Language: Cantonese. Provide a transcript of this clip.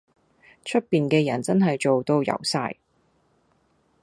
出面嘅人真係做到油晒